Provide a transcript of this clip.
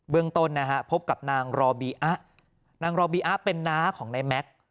ต้นนะฮะพบกับนางรอบีอะนางรอบีอะเป็นน้าของนายแม็กซ์